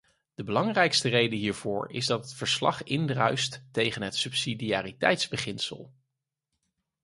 De belangrijkste reden hiervoor is dat het verslag indruist tegen het subsidiariteitsbeginsel.